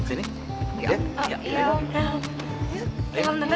emang nanti duluan aja